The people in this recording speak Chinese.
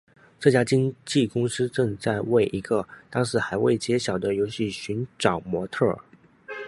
这家经纪公司正在为一个当时还未揭晓的游戏寻找模特儿。